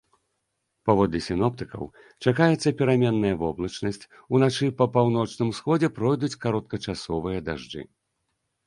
Паводле сіноптыкаў, чакаецца пераменная воблачнасць, уначы па паўночным усходзе пройдуць кароткачасовыя дажджы.